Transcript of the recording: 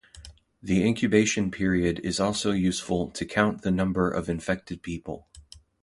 The incubation period is also useful to count the number of infected people.